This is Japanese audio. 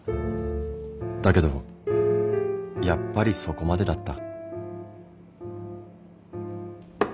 だけどやっぱりそこまでだった。